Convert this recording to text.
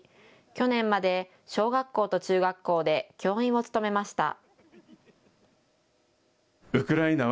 去年まで小学校と中学校で教員を務めました。